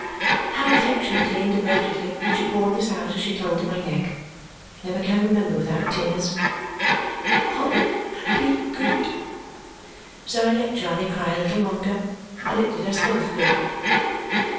how affectionately and devotedly she poured this out as she clung to my neck, I never can remember without tears "I'll be good." So I let Charley cry a little longer, and it did us both good.